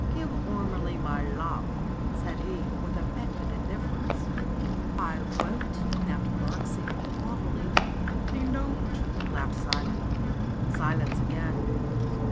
Give Ormelie my love/' said he with affected indifference. 'T won't I" snapped Birksie haughtily. ^'Then don't!" laughed Simon. Silence again.